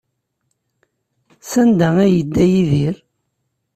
Sanda ay yedda Yidir?